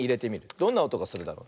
どんなおとがするだろう。